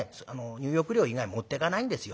入浴料以外持ってかないんですよ。